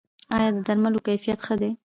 آیا د درملو کیفیت ښه دی؟